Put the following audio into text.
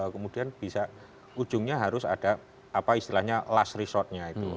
kemudian bisa ujungnya harus ada apa istilahnya last resortnya itu